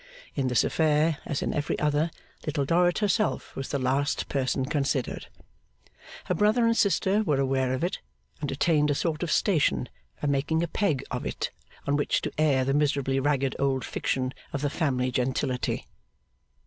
In this affair, as in every other, Little Dorrit herself was the last person considered. Her brother and sister were aware of it, and attained a sort of station by making a peg of it on which to air the miserably ragged old fiction of the family gentility.